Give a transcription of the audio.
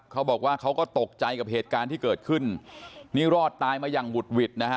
เขาก็ตกใจกับเหตุการณ์ที่เกิดขึ้นนี่รอดตายมาอย่างหุดหวิดนะฮะ